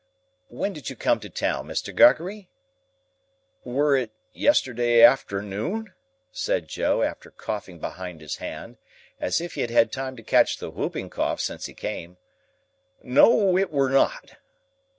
"When did you come to town, Mr. Gargery?" "Were it yesterday afternoon?" said Joe, after coughing behind his hand, as if he had had time to catch the whooping cough since he came. "No it were not.